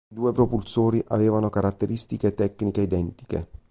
I due propulsori avevano caratteristiche tecniche identiche.